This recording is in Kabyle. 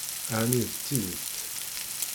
Ɛni d tidet?